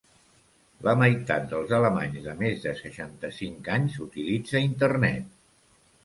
La meitat dels alemanys de més de seixanta-cinc anys utilitza internet.